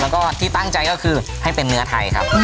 แล้วก็ที่ตั้งใจก็คือให้เป็นเนื้อไทยครับ